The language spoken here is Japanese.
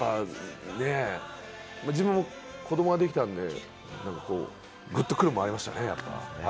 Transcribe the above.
自分も子どもができたんで、ぐっとくるもん、ありましたね。